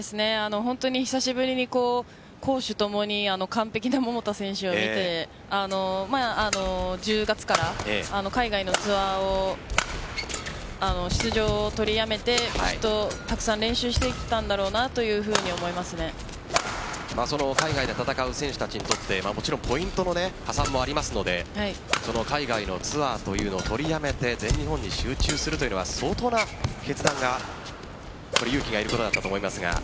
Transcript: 本当に久しぶりに攻守ともに完璧な桃田選手を見て１０月から海外のツアーの出場を取りやめてたくさん練習してきたんだろうな海外で戦う選手たちにとってポイントの加算もありますので海外のツアーというのを取りやめて全日本に集中するというのは相当な決断、勇気がいることだったと思いますが。